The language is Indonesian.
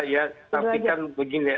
ya tapi kan begini